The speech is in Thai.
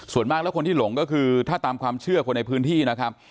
ส่วนมากแล้วคนที่หลงก็คือถ้าตามความเชื่อคนในพื้นที่นะครับ